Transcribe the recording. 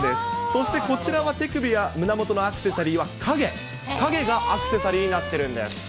そしてこちらは手首や胸元のアクセサリーは影、影がアクセサリーおしゃれ。